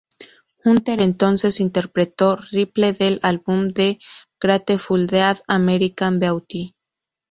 Hunter entonces interpretó "Ripple" del álbum de Grateful Dead, "American Beauty".